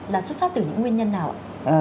là xuất phát từ những nguyên nhân nào ạ